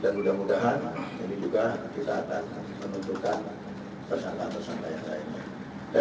dan mudah mudahan ini juga kita akan menuntutkan persangka persangka yang lainnya